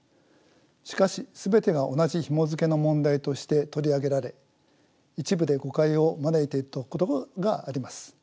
しかし全てが同じひもづけの問題として取り上げられ一部で誤解を招いているところがあります。